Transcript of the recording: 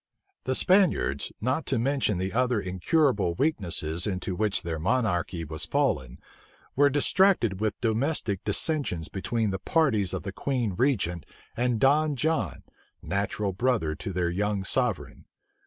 The Spaniards, not to mention the other incurable weaknesses into which their monarchy was fallen, were distracted with domestic dissensions between the parties of the queen regent and Don John, natural brother to their young sovereign.